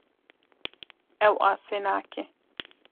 Ew asê nake.